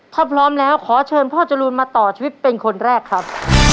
ถ้าพร้อมแล้วขอเชิญพ่อจรูนมาต่อชีวิตเป็นคนแรกครับ